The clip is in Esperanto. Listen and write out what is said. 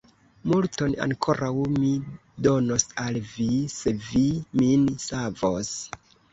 Multon ankoraŭ mi donos al vi, se vi min savos!